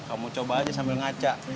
kamu coba aja sambil ngaca